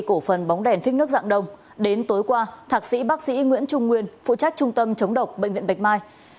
cổ phần bóng đèn phích nước dạng đông đến tối qua thạc sĩ bác sĩ nguyễn trung nguyên phụ trách trung tâm chống độc bệnh viện bạch mai